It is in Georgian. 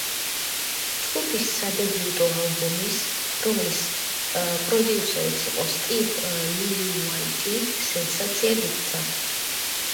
ჯგუფის სადებიუტო ალბომის, რომლის პროდიუსერიც იყო სტივ ლილიუაიტი, სენსაციად იქცა.